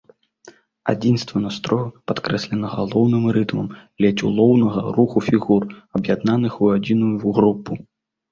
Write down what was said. Адзінства настрою падкрэслена галоўным рытмам ледзь улоўнага руху фігур, аб'яднаных у адзіную групу.